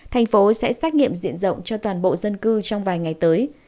thành phố sẽ xét nghiệm diện rộng cho toàn bộ dân cư trong vài ngày tới